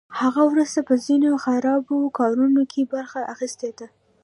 هغه وروسته په ځینو خرابو کارونو کې برخه اخیستې ده